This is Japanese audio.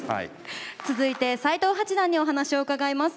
続いて斎藤八段にお話を伺います。